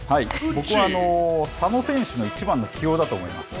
僕は佐野選手の１番の起用だと思います。